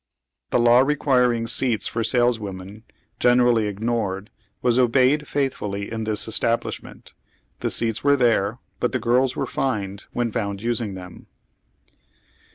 The law requiring seats for sales women, generally ignored, was obeyed faithfully in this establishment. The seats were there, but the girls were fined when found using them.